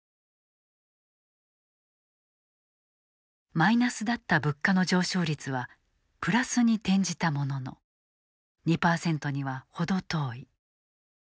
マイナスだった物価の上昇率はプラスに転じたものの２％には程遠い。